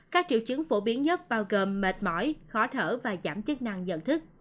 các triệu chứng phổ biến nhất bao gồm mệt mỏi khó thở và giảm chức năng nhận thức